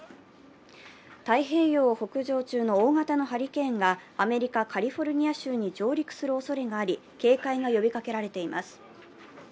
太平洋を北上中の大型のハリケーンが、アメリカ・カリフォルニア州に上陸するおそれがあり、警戒が呼びかけられています。